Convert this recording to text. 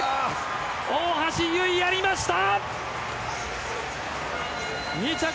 大橋悠依、やりました！